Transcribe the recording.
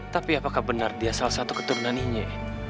tapi apakah benar dia salah satu keturunan inye